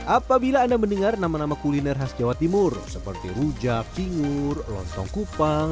apabila anda mendengar nama nama kuliner khas jawa timur seperti rujak singur lontong kupang